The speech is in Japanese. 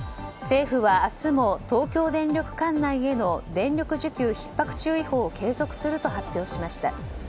政府は明日も東京電力管内への電力需給ひっ迫注意報を継続すると発表しました。